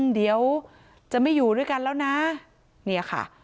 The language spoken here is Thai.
เดี๋ยวจะไม่อยู่ด้วยกันแล้วนะ